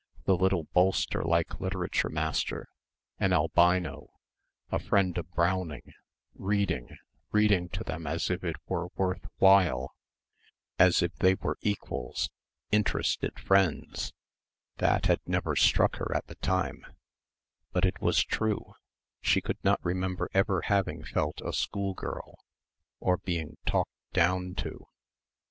the little bolster like literature master, an albino, a friend of Browning, reading, reading to them as if it were worth while, as if they were equals ... interested friends that had never struck her at the time.... But it was true she could not remember ever having felt a schoolgirl ... or being "talked down" to